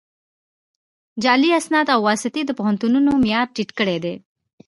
جعلي اسناد او واسطې د پوهنتونونو معیار ټیټ کړی دی